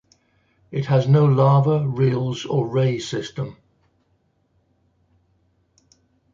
It has no lava, rilles, or ray system.